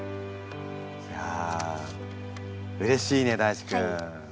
いやうれしいね大馳くん。